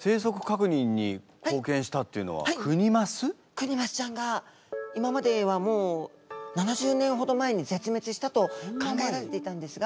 クニマスちゃんが今まではもう７０年ほど前にぜつめつしたと考えられていたんですが。